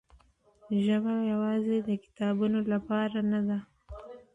ژبه یوازې د کتابونو لپاره نه ده.